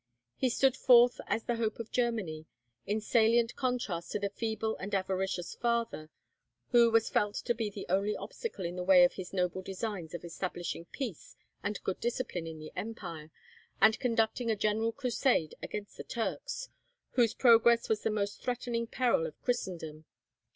He stood forth as the hope of Germany, in salient contrast to the feeble and avaricious father, who was felt to be the only obstacle in the way of his noble designs of establishing peace and good discipline in the empire, and conducting a general crusade against the Turks, whose progress was the most threatening peril of Christendom.